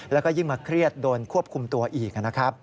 แล้วก็ยิ่งมาเครียดโดนควบคุมตัวอีกนะครับ